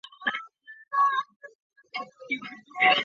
并担任人口资源环境委员会专委。